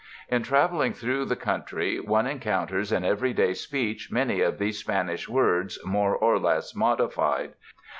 In traveling through the country, one encounters in every day speech many of these Spanish words more or less modified.